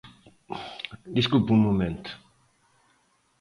Desculpe un momento.